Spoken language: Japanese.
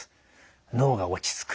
脳が落ち着く。